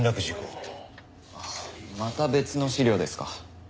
ああまた別の資料ですか。